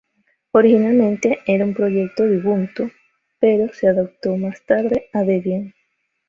Originalmente era un proyecto de Ubuntu, pero se adaptó más tarde a Debian.